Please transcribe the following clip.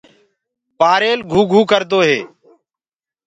پآريل گھوگھو ڪردو هي۔